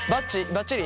ばっちり？